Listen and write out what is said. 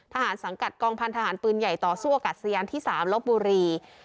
สังกัดกองพันธหารปืนใหญ่ต่อสู้อากาศยานที่๓ลบบุรี